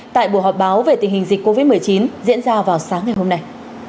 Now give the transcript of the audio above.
tại buổi họp báo về tình hình dịch covid một mươi chín diễn ra vào sáng ngày hôm nay